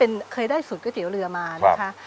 เคยได้สูตรก๋วยเตี๋ยวเรือมานะคะ